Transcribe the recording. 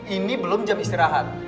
ini belum jam istirahat